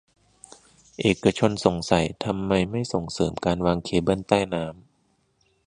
เอกชนสงสัยทำไมไม่ส่งเสริมการวางเคเบิลใต้น้ำ